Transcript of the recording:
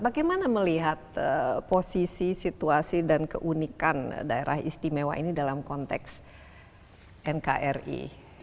bagaimana melihat posisi situasi dan keunikan daerah istimewa ini dalam konteks nkri